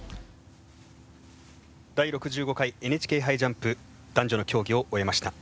第６５回ＮＨＫ杯ジャンプ男女の競技を終えました。